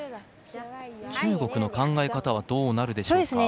中国の考え方はどうなるでしょうか。